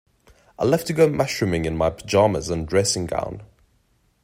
I love to go mushrooming in my pyjamas and dressing gown.